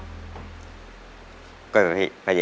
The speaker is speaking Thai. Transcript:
คุณยายแจ้วเลือกตอบจังหวัดนครราชสีมานะครับ